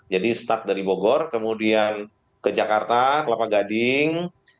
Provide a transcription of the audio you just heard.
jadi start dari bogor kemudian ke jakarta kelapa gading